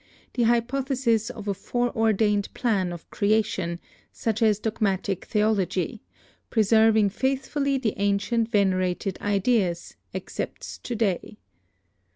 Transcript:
the hypothesis of a fore ordained plan of creation, such as dogmatic theology, preserving faithfully the ancient venerated ideas, accepts to day.